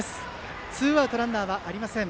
ツーアウトランナーはありません